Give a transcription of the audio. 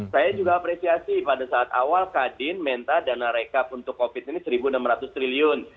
saya juga apresiasi pada saat awal kadin minta dana rekap untuk covid ini rp satu enam ratus triliun